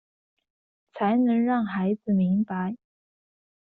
才能讓孩子明白